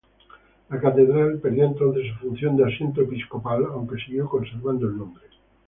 La catedral perdió entonces su función de asiento episcopal, aunque siguió conservando el nombre.